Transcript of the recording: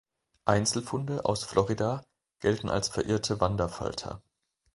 Einzelfunde aus Florida gelten als verirrte Wanderfalter.